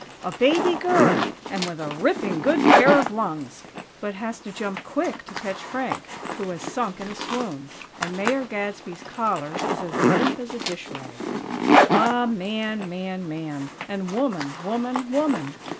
_ "A baby girl and with a ripping good pair of lungs!" but has to jump quick to catch Frank, who has sunk in a swoon. And Mayor Gadsby's collar is as limp as a dish rag! Ah! Man, man, man! and woman, woman, woman!